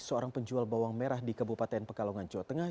seorang penjual bawang merah di kabupaten pekalongan jawa tengah